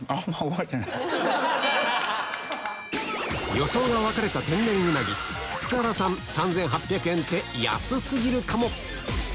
予想が分かれた天然ウナギ福原さん３８００円って安過ぎるかも